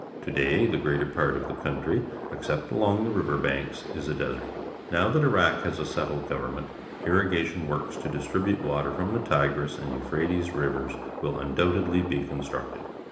To day the greater part of the country, except along the river banks, is a desert. Now that Iraq has a settled government, irrigation works to distribute water from the Tigris and Euphrates Rivers will undoubtedly be constructed.